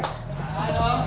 semoga berjalan terus